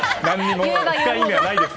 深い意味はないです。